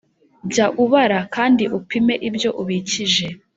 Jya ubara kandi upime ibyo ubikije,